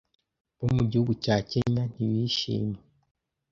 bo mu gihugu cya Kenya ntibishimye